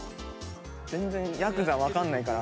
ヤクザ分かんないから。